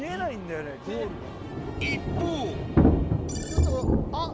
一方ちょっとあっ。